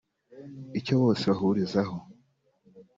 Icyo bose bahurizaho